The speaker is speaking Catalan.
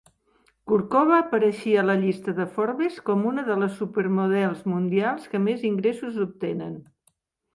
Kurkova apareixia a la llista de Forbes com una de les supermodels mundials que més ingressos obtenen.